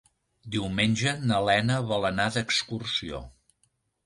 Diumenge na Lena vol anar d'excursió.